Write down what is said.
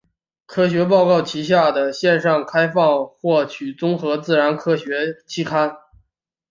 科学报告旗下的线上开放获取综合自然科学期刊。